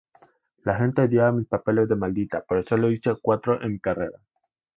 La gente odiaba mis papeles de maldita, pero solo hice cuatro en mi carrera.